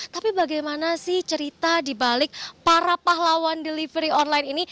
tapi bagaimana sih cerita dibalik para pahlawan delivery online ini